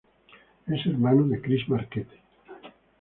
Es hermano de Chris Marquette.